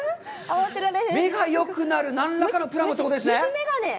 目がよくなる、何らかのプラモってことですね？